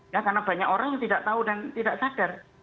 ya karena banyak orang yang tidak tahu dan tidak sadar